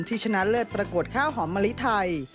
ชนะเลิศประกวดข้าวหอมมะลิไทย